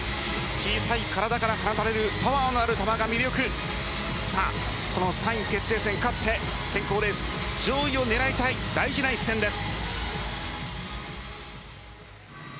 小さい体から出るパワーのある球が魅力さあ、この３位決定戦を勝って選考レース上位を狙いたい大事な一戦です。